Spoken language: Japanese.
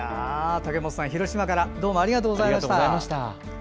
竹本さん、広島からどうもありがとうございました。